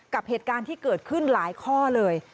กับเหตุการณ์ที่เกิดขึ้นหลายข้อเลย